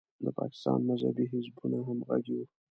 د پاکستان مذهبي حزبونه همغږي وو.